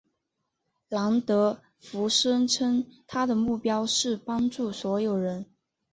兰德福声称他的目标是帮助所有人。